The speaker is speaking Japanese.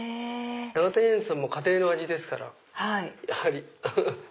永谷園さんも家庭の味ですからやはり。